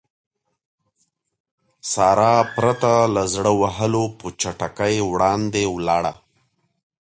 سارا پرته له زړه وهلو په چټکۍ وړاندې ولاړه.